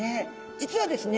実はですね